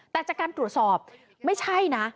แต่จากการตรวจสอบไม่ใช่นะ